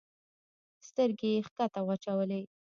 سترګي یې کښته واچولې !